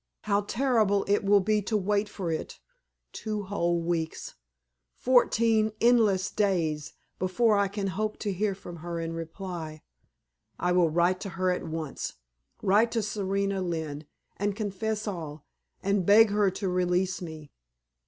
How terrible it will be to wait for it! Two whole weeks fourteen endless days before I can hope to hear from her in reply! I will write to her at once write to Serena Lynne and confess all, and beg her to release me.